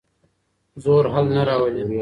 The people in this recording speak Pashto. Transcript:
زور حل نه راولي.